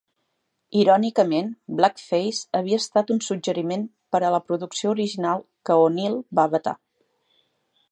Irònicament, Blackface havia estat un suggeriment per a la producció original que O'Neill va vetar.